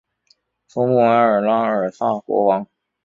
苏穆埃尔拉尔萨国王。